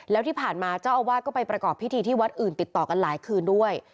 แล้วที่ผ่านมาเจ้าอาวาสก็ไปประกอบพิธีที่วัดอื่นติดต่อกันหลายคืนด้วย